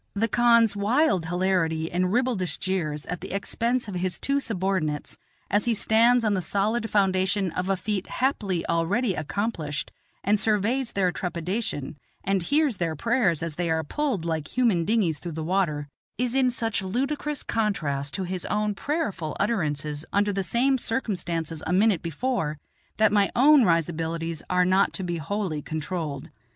The khan's wild hilarity and ribaldish jeers at the expense of his two subordinates, as he stands on the solid foundation of a feat happily already accomplished and surveys their trepidation, and hears their prayers as they are pulled like human dinghies through the water, is in such ludicrous contrast to his own prayerful utterances under the same circumstances a minute before that my own risibilities are not to be wholly controlled.